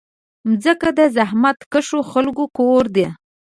مځکه د زحمتکښو خلکو کور ده.